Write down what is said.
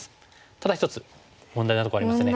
ただ一つ問題なとこありますよね。